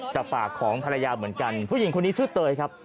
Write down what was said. จากปากของภรรยาเหมือนกันผู้หญิงคนนี้ชื่อเตยครับ